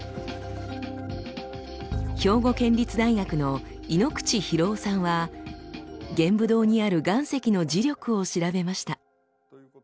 兵庫県立大学の井口博夫さんは玄武洞にある岩石の磁力を調べました。